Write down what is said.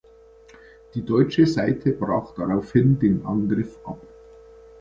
Die deutsche Seite brach daraufhin den Angriff ab.